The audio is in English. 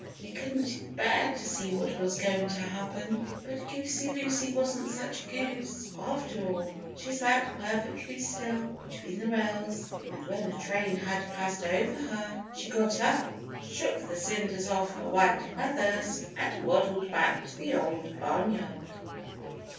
They couldn't bear to see what was going to happen. But Goosey Lucy wasn't such a goose, after all. She sat perfectly still between the rails, and when the train had passed over her, she got up, shook the cinders off her white feathers and waddled back to the Old Barnyard!